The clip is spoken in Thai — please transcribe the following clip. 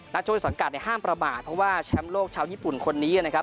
นักโชคศัลกาลห้ามประมาทเพราะว่าแชมป์โลกชาวญี่ปุ่นคนนี้